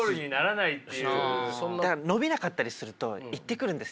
伸びなかったりすると言ってくるんですよ。